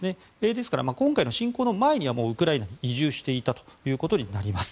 ですから、今回の侵攻前にはウクライナに移住していたということになります。